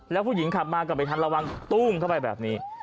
แล้วผู้หญิงขับมาก็ไม่ทันระวังตู้มเข้าไปแบบนี้